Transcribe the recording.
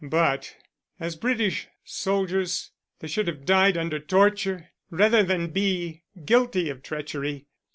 But as British soldiers they should have died under torture rather than be guilty of treachery.